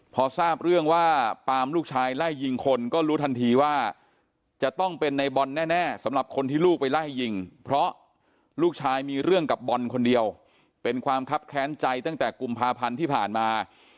พอทราบเรื่องว่าปามลูกชายไล่ยิงคนก็รู้ทันทีว่าจะต้องเป็นในบอลแน่สำหรับคนที่ลูกไปไล่ยิงเพราะลูกชายมีเรื่องกับบอลคนเดียวเป็นความคับแค้นใจตั้งแต่กุมภาพันธ์ที่ผ่านมา